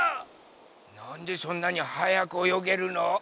なんでそんなにはやくおよげるの？